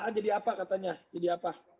ah jadi apa katanya jadi apa